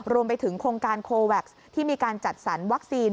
รวมไปถึงโครงการโคแวคที่มีการจัดสรรวัคซีน